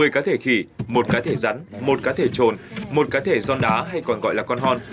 một mươi cá thể khỉ một cá thể rắn một cá thể trồn một cá thể giòn đá hay còn gọi là con hòn